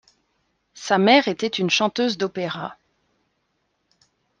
Sa mère était une chanteuse d'opéra.